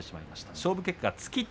勝負結果、つき手。